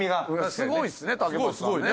すごいですね武元さんね。